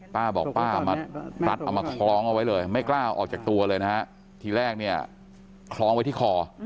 ป้าบอกป้ามารัดเอามาคล้องเอาไว้เลยไม่กล้าออกจากตัวเลยนะฮะทีแรกเนี่ยคล้องไว้ที่คอ